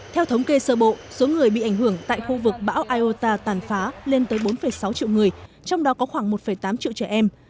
theo thống kê sơ bộ số người bị ảnh hưởng tại khu vực bão iota tàn phá lên tới bốn sáu triệu người trong đó có khoảng một tám triệu trẻ em